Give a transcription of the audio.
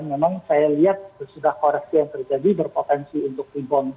memang saya lihat sudah koreksi yang terjadi berpotensi untuk rebound